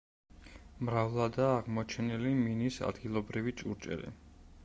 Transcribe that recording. მრავლადაა აღმოჩენილი მინის ადგილობრივი ჭურჭელი.